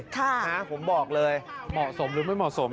ผมบอกเลยเหมาะสมหรือไม่เหมาะสม